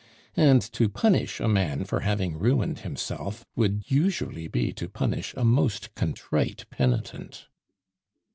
And to punish a man for having ruined himself would usually be to punish a most contrite penitent.